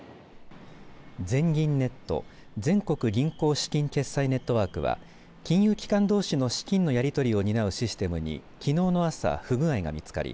全銀ネット、全国銀行資金決済ネットワークは金融機関どうしの資金のやり取りを担うシステムにきのうの朝、不具合が見つかり